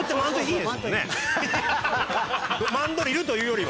マンドリルというよりは。